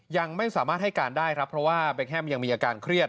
ยังไม่สามารถให้การได้ครับเพราะว่าเบคแฮมยังมีอาการเครียด